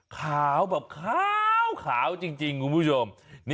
ขาวแบบขาวจริงคุณผู้ชม